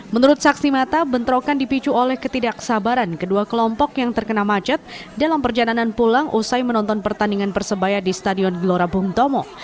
menurut saksi mata bentrokan dipicu oleh ketidaksabaran kedua kelompok yang terkena macet dalam perjalanan pulang usai menonton pertandingan persebaya di stadion gelora bung tomo